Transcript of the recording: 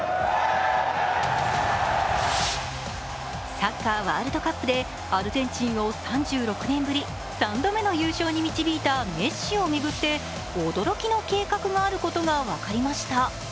サッカーワールドカップでアルゼンチンを３６年ぶり３度目の優勝に導いたメッシを巡って、驚きの計画があることが分かりました。